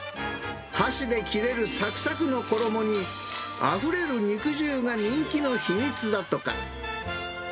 箸で切れるさくさくの衣に、あふれる肉汁が人気の秘密だとか。